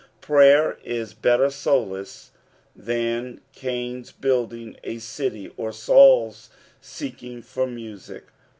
Prayer ia better solace than Cain's building a city, or Baul'a seeking for music.